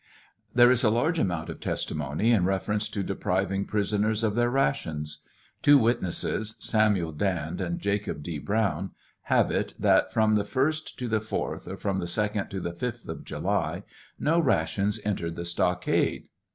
There is a large amount of testimony in reference to depriving prisoners of their rations. Two witnesses, Samuel Dand, Jacob D. Brown, have it that from the first to the fourth, or from the second to the fifth of July, no rations entered the stockade.